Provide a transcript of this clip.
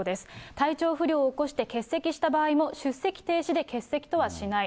体調不良を起こして欠席した場合も、出席停止で欠席とはしない。